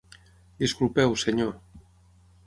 Disculpeu, senyor.